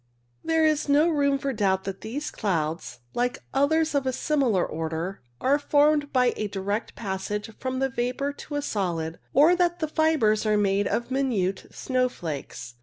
There is no room for doubt that these clouds, like others of a similar order, are formed by a direct passage from the vapour to the solid, or that the fibres are made of minute snowflakes.